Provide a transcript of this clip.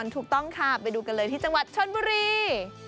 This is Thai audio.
ถูกต้องค่ะไปดูกันเลยที่จังหวัดชนบุรี